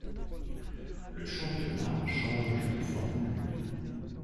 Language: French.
Le championnat change de formule.